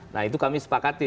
nah itu kami sepakati